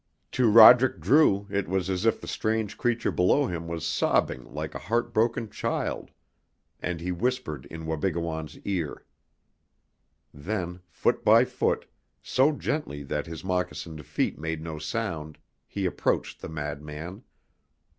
To Roderick Drew it was as if the strange creature below him was sobbing like a heart broken child, and he whispered in Wabigoon's ear. Then, foot by foot, so gently that his moccasined feet made no sound, he approached the madman.